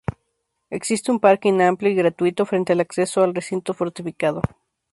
Existe un parking amplio y gratuito frente al acceso al recinto fortificado.